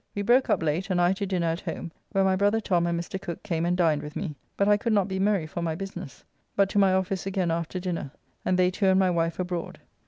We broke up late, and I to dinner at home, where my brother Tom and Mr. Cooke came and dined with me, but I could not be merry for my business, but to my office again after dinner, and they two and my wife abroad.